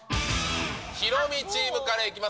ヒロミチームからいきます。